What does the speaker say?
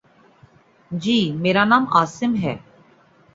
جی، میرا نام عاصم ہے